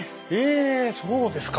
えそうですか！